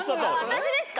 私ですか？